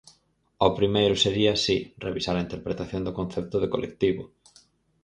O primeiro sería, si, revisar a interpretación do concepto de colectivo.